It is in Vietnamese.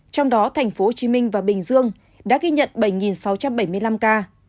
trong đó tp hcm và bình dương đã ghi nhận bảy sáu trăm bảy mươi năm ca